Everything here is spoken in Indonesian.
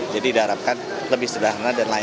jadi diharapkan lebih sederhana dan layak